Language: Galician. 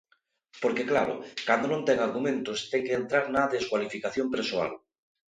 Porque, claro, cando non ten argumentos, ten que entrar na descualificación persoal.